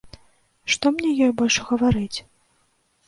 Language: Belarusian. Што мне ёй больш гаварыць?